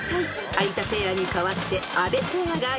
［有田ペアにかわって阿部ペアが１位に］